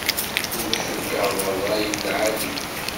Ur cukkeɣ d rray n lɛali.